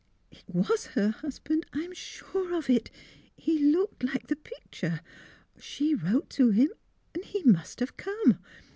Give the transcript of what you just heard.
"" It was her husband — I am sure of it! He looked like the picture. She wrote to him, and he must have come.